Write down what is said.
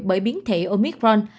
bởi biến thể omicron